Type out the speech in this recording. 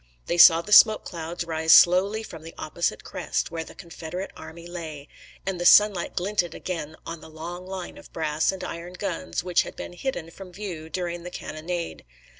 They saw the smoke clouds rise slowly from the opposite crest, where the Confederate army lay, and the sunlight glinted again on the long line of brass and iron guns which had been hidden from view during the cannonade.